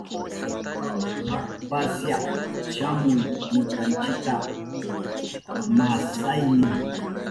Pasyak shamuy ñukanchita, mashayni.